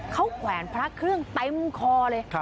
เขาแขวนพระเครื่องเต็มคอเลย